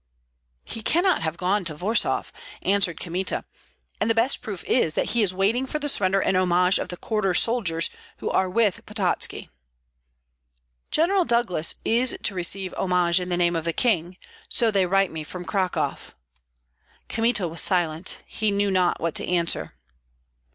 "He cannot have gone to Warsaw," answered Kmita, "and the best proof is that he is waiting for the surrender and homage of the quarter soldiers, who are with Pototski." "General Douglas is to receive homage in the name of the king, so they write me from Cracow." Kmita was silent; he knew not what to answer.